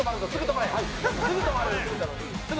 すぐ止まるぞ。